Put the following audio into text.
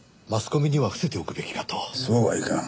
そうはいかん。